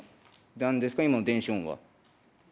なんですか、今の電子音は。